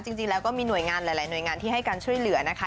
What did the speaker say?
จริงแล้วก็มีหน่วยงานหลายหน่วยงานที่ให้การช่วยเหลือนะคะ